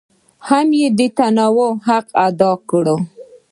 هم یې د تنوع حق ادا کړی.